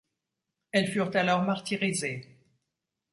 Elles furent alors martyrisées.